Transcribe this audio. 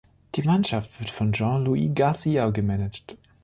Die Mannschaft wird von Jean-Louis Garcia gemanagt.